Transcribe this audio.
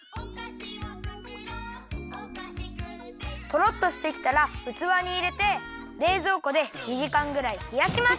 とろっとしてきたらうつわにいれてれいぞうこで２じかんぐらいひやします。